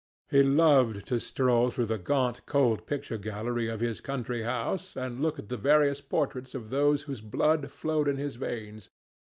He loved to stroll through the gaunt cold picture gallery of his country house and look at the various portraits of those whose blood flowed in his veins.